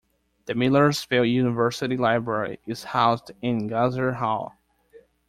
The Millersville University Library is housed in Ganser Hall.